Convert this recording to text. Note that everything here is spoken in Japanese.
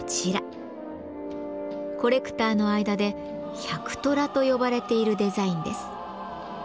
コレクターの間で「百虎」と呼ばれているデザインです。